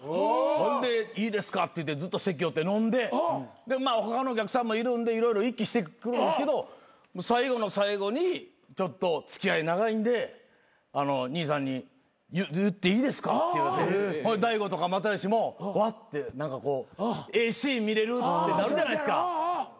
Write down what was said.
ほんでいいですかってずっと席おって飲んででまあ他のお客さんもいるんで色々してくるんですけど最後の最後に「ちょっと付き合い長いんで兄さんに言っていいですか」って大悟とか又吉もわって何かこうええシーン見れるってなるじゃないですか。